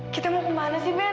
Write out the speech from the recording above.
kita mau ke mana sih ben